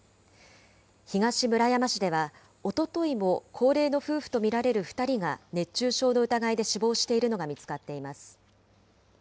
東村山市では、おとといも高齢の夫婦と見られる２人が熱中症の疑いで死亡しているのが見つかっています。